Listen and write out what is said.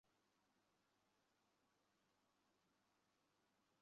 আমি এটা করব না।